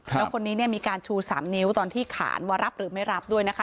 แล้วคนนี้เนี่ยมีการชู๓นิ้วตอนที่ขานว่ารับหรือไม่รับด้วยนะคะ